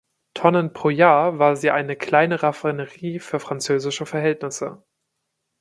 Tonnen pro Jahr war sie eine kleine Raffinerie für französische Verhältnisse.